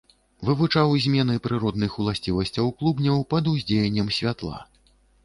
Вывучаў змены прыродных уласцівасцяў клубняў пад уздзеяннем святла.